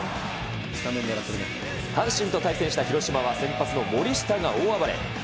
阪神と対戦した広島は、先発の森下が大暴れ。